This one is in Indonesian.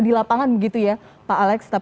di lapangan begitu ya